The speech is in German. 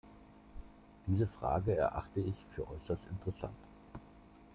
Diese Frage erachte ich für äußerst interessant.